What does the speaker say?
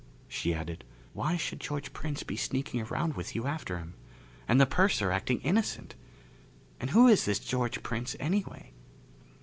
She added, "Why should George Prince be sneaking around with you after him? And the purser acting innocent? And who is this George Prince, anyway?"